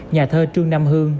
nhà thơ trương nam hương